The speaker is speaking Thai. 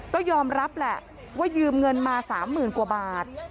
ก็ยอมรับแหละว่ายืมเงินมา๓๐๐๐กว่าบาท